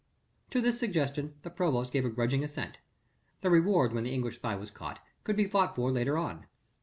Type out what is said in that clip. To this suggestion the provost gave a grudging assent. The reward when the English spy was caught could be fought for later on.